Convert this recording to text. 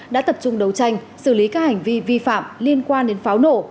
đã tập trung đấu tranh xử lý các hành vi vi phạm liên quan đến pháo nổ